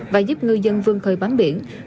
và giúp ngư dân vương khơi bám biển